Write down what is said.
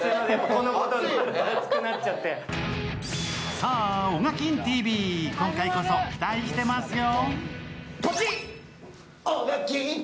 さぁ、「オガキンＴＶ」、今回こそ期待してますよ。